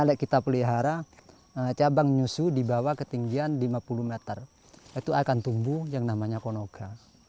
kalau kita pelihara cabang nyusu di bawah ketinggian lima puluh meter itu akan tumbuh yang namanya konoca